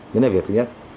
đó là việc thứ nhất